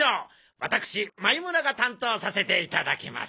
ワタクシ眉村が担当させていただきます。